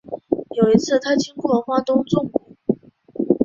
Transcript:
有一次他经过花东纵谷